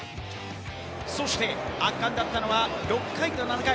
そして圧巻だったのは、６回と７回。